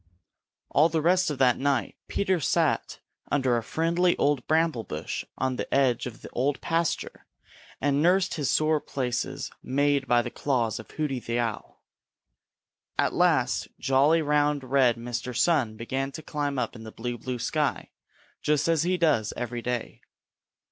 All the rest of that night Peter sat under a friendly old bramble bush on the edge of the Old Pasture and nursed the sore places made by the claws of Hooty the Owl. At last jolly, round, red Mr. Sun began to climb up in the blue, blue sky, just as he does every day.